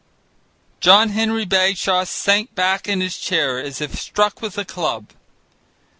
John Henry Bagshaw sank back in his chair as if struck with a club.